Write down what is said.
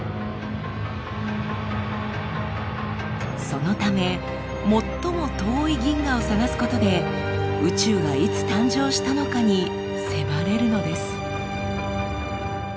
そのため最も遠い銀河を探すことで宇宙がいつ誕生したのかに迫れるのです。